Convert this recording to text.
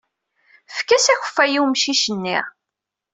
Efk-as akeffay i umcic-nni.